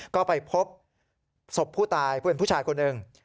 ก็พบทรุดผู้ชายคนหนึ่ง